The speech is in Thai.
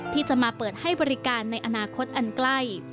ที่จะมาเปิดให้บริการในอนาคตอันใกล้